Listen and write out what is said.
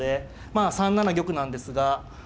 まあ３七玉なんですが。